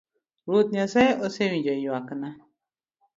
Ruoth nyasaye ose winjo ywakna.